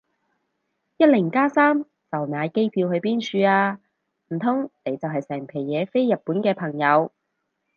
一零加三就買機票去邊處啊？唔通你就係成皮嘢飛日本嘅朋友